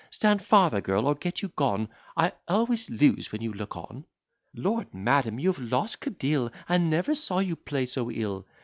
Stand farther, girl, or get you gone; I always lose when you look on." "Lord! madam, you have lost codille: I never saw you play so ill."